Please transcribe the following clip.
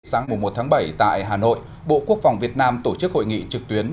sáng một tháng bảy tại hà nội bộ quốc phòng việt nam tổ chức hội nghị trực tuyến